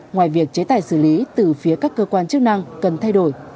ngoài việc chế tài xử lý từ phía các cơ quan chức năng cần thay đổi